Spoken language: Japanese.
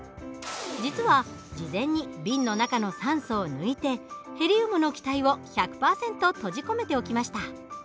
実は事前に瓶の中の酸素を抜いてヘリウムの気体を１００％閉じ込めておきました。